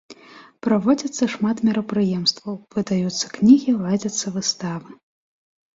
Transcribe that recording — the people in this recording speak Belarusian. Праводзяцца шмат мерапрыемстваў, выдаюцца кнігі, ладзяцца выставы.